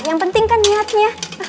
yang penting kan niatnya